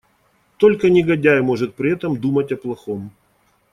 Только негодяй может при этом думать о плохом.